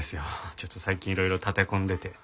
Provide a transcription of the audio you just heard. ちょっと最近いろいろ立て込んでて。